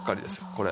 これ。